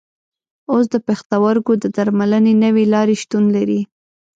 اوس د پښتورګو د درملنې نوې لارې شتون لري.